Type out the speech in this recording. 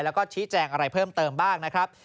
แล้วก็ชี้แจงอะไรเพิ่มเติมบ้างนะครับ